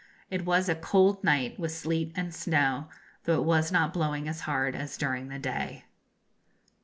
It was a cold night, with sleet and snow, though it was not blowing as hard as during the day.